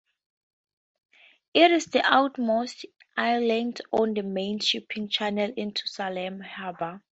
It is the outermost island on the main shipping channel into Salem Harbor.